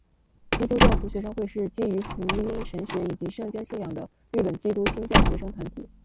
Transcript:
基督教徒学生会是基于福音神学以及圣经信仰的日本基督新教学生团体。